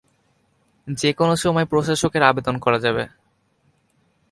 যে-কোন সময় প্রশাসকের আবেদন করা যাবে।